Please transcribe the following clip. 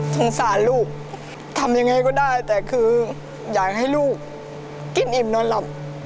สงสารลูกทำยังไงก็ได้แต่คืออยากให้ลูกกินอิ่มนอนหลับ